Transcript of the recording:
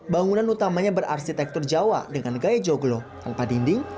bangunan utamanya berarsitektur jawa dengan gaya joglo tanpa dinding